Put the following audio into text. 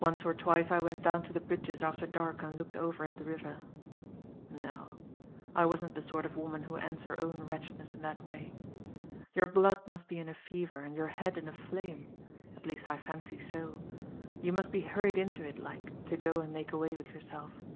"Once or twice I went down to the bridges after dark and looked over at the river. No. I wasn't the sort of woman who ends her own wretchedness in that way. Your blood must be in a fever, and your head in a flame at least I fancy so you must be hurried into it, like, to go and make away with yourself.